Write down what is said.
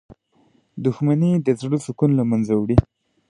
• دښمني د زړه سکون له منځه وړي.